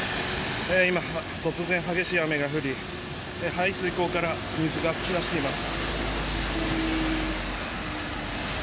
今、突然激しい雨が降り排水溝から水が噴き出しています。